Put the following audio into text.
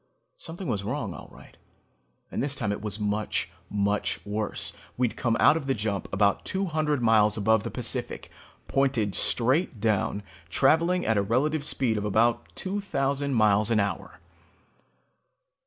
Something was wrong all right, and this time it was much, much worse. We'd come out of the jump about two hundred miles above the Pacific, pointed straight down, traveling at a relative speed of about two thousand miles an hour.